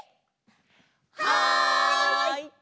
はい！